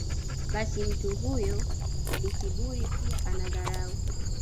basi mtu huyo ni kiburi pia ana dharau